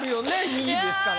２位ですからね。